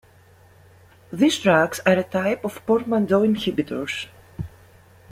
These drugs are a type of "portmanteau inhibitors".